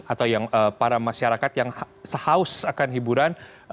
atau yang para masyarakat yang sehaus akan hiburan